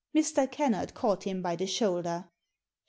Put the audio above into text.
Mr. Kennard caught him by the shoulder.